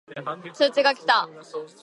通知が来た